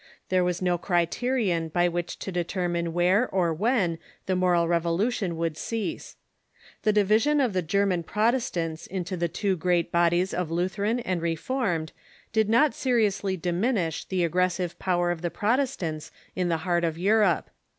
There was no cri terion by which to determine where or when the moral revolu tion would cease. The division of the German Protestants into the two great bodies of Lutheran and Reformed did not seriously diminish the aggressive power of the Protestants in the heart of Europe.